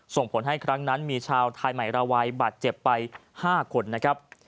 ส่งผลให้ครั้งนั้นมีชาวไทยใหม่ราวัยบาดเจ็บไป๕คนนะครับ